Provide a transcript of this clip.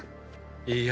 いいや。